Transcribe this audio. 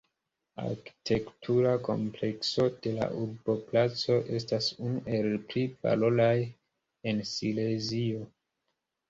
Arkitektura komplekso de la urboplaco estas unu el pli valoraj en Silezio.